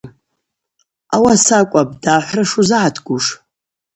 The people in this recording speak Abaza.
Ауаса акӏвпӏ дахӏвра шузыгӏатгуш.